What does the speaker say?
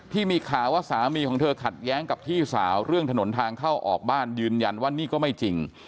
ที่มีข่าวว่าสามีของเธอขัดแย้งกับพี่สาวเรื่องถนนทางเข้าออกบ้านยืนยันว่านี่ก็ไม่จริง